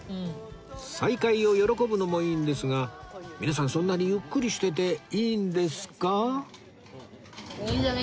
再会を喜ぶのもいいんですが皆さんそんなにゆっくりしてていいんですか？